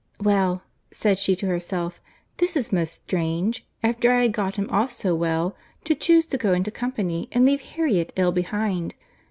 "Well," said she to herself, "this is most strange!—After I had got him off so well, to chuse to go into company, and leave Harriet ill behind!